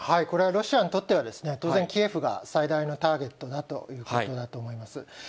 これはロシアにとっては、当然、キエフが最大のターゲットだということだと思います。